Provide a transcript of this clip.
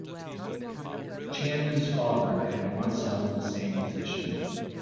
Channon's father had once held the same position.